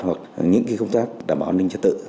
hoặc những công tác đảm bảo ninh chất tự